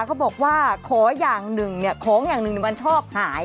เค้าบอกว่าของอย่างหนึ่งมันชอบหาย